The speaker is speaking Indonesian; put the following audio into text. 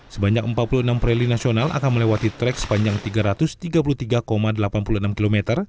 sebanyak empat puluh enam rally nasional akan melewati trek sepanjang tiga ratus tiga puluh tiga delapan puluh enam km